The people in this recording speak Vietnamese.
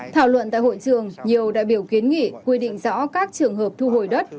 thảo luận tại hội trường nhiều đại biểu kiến nghị quy định rõ các trường hợp thu hồi đất